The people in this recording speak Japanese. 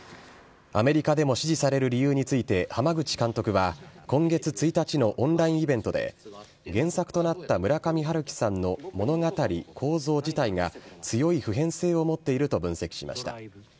アメリカでも支持される理由について、濱口監督は今月１日のオンラインイベントで、原作となった村上春樹さんの物語、構造自体が強い普遍性を持っていると分析しました。